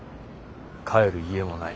帰る家もない。